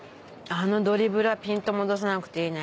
あのドリブルはピント戻さなくていいね。